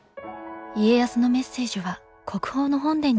家康のメッセージは国宝の本殿にも。